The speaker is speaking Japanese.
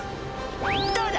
［どうだ！